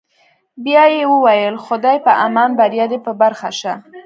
بیا یې وویل: خدای په امان، بریا در په برخه شه.